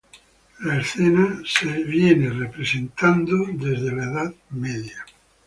La escena viene siendo representada desde la Edad Media.